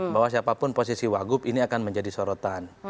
bahwa siapapun posisi wagub ini akan menjadi sorotan